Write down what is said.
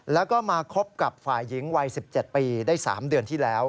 แล้วก็มาคบกับฝ่ายหญิงวัย๑๗ปีได้๓เดือนที่แล้ว